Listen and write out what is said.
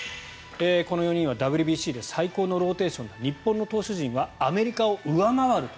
この４人は、ＷＢＣで最高のローテーションだ日本の投手陣はアメリカを上回ると。